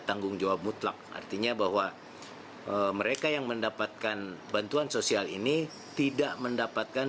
tanggung jawab mutlak artinya bahwa mereka yang mendapatkan bantuan sosial ini tidak mendapatkan